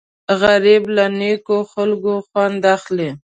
غریب له نیکو خلکو خوند اخلي